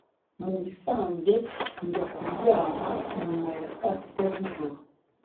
Mubisanzwe njya kuryama nyuma ya saa sita zijoro